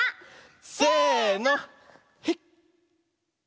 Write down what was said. せの。